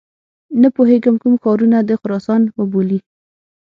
نه پوهیږي کوم ښارونه د خراسان وبولي.